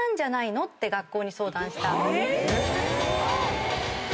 学校に相談した。